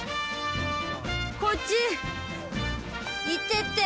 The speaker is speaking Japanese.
こっち行けって。